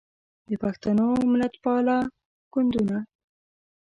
د پښتنو ملتپاله ګوندونه